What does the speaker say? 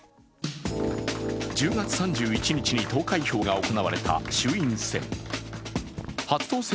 １０月３１日に投開票が行われた衆院選。